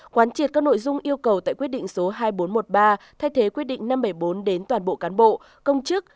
quán triệt các nội dung yêu cầu tại quyết định số hai nghìn bốn trăm một mươi ba thay thế quyết định năm trăm bảy mươi bốn đến toàn bộ cán bộ công chức